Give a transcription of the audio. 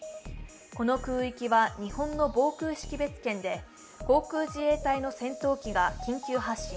この空域は日本の防空識別圏で航空自衛隊の戦闘機が緊急発進。